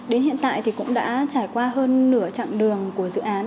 đến hiện tại thì cũng đã trải qua hơn nửa chặng đường của dự án